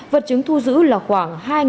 vật chứng thu giữ là khoảng hai tỷ đồng